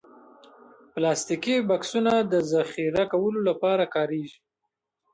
پلاستيکي بکسونه د ذخیره کولو لپاره کارېږي.